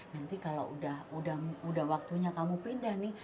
nanti kalau udah waktunya kamu pindah nih